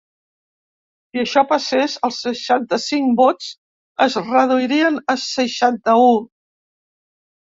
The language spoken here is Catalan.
Si això passés, els seixanta-cinc vots es reduirien a seixanta-u.